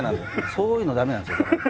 そういうの駄目なんですよ。